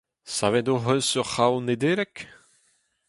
Savet hoc'h eus ur c'hraou Nedeleg ?